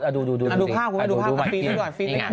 เอาดูเอาดูภาพกูดูภาพกับฟรีด้วยก่อน